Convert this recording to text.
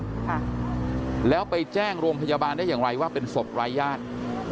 ค่ะแล้วไปแจ้งโรงพยาบาลได้อย่างไรว่าเป็นศพรายญาติ